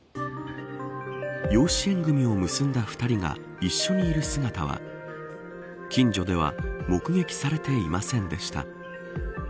養子縁組を結んだ２人が一緒にいる姿は近所では目撃されていませんでした。